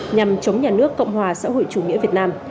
nhằm chống nhà nước cộng hòa xã hội chủ nghĩa việt nam